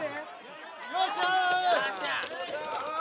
よっしゃー！